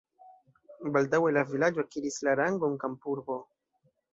Baldaŭe la vilaĝo akiris la rangon kampurbo.